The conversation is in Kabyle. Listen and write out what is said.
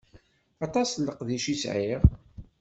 Aṭas n leqdic i sɛiɣ.